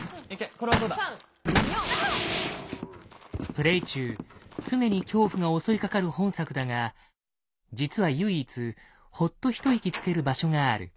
プレイ中常に恐怖が襲いかかる本作だが実は唯一ほっと一息つける場所がある。